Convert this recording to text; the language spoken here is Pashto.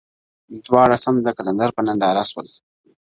دواړه سم د قلندر په ننداره سول؛